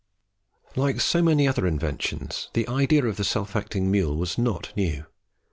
Like so many other inventions, the idea of the self acting mule was not new.